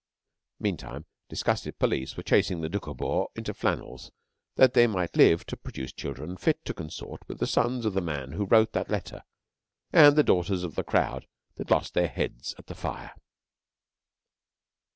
Meantime, disgusted police were chasing the Doukhobors into flannels that they might live to produce children fit to consort with the sons of the man who wrote that letter and the daughters of the crowd that lost their heads at the fire.